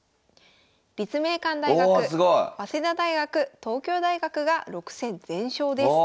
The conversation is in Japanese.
立命館大学早稲田大学東京大学が６戦全勝です。